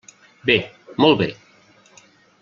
Bé, molt bé.